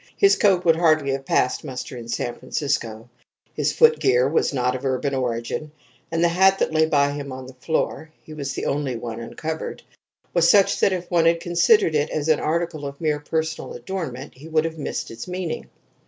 His coat would hardly have passed muster in San Francisco: his footgear was not of urban origin, and the hat that lay by him on the floor (he was the only one uncovered) was such that if one had considered it as an article of mere personal adornment he would have missed its meaning.